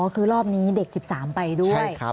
คือรอบนี้เด็ก๑๓ไปด้วย